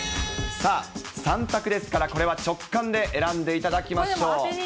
さあ、３択ですからこれは直感で選んでいただきましょう。